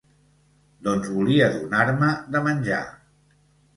Doncs volia donar-me de menjar.